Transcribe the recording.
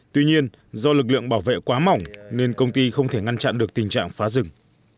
tuy nhiên do lực lượng bảo vệ quá mỏng nên công ty không thể ngăn chặn được tình trạng phá rừng